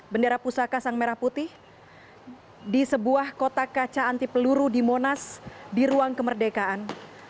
bendera pusaka sang merah putih di sebuah kotak kaca anti peluru di monas di ruang kemerdekaan